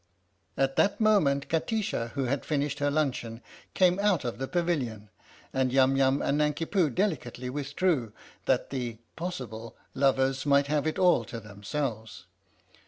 At that moment Kati sha, who had finished her luncheon, came out of the Pavilion; and Yum Yum and Nanki Poo delicately withdrew that the 108 THE STORY OF THE MIKADO (possible) lovers might have it all to themselves.